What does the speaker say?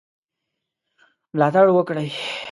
ملاتړ وکړي.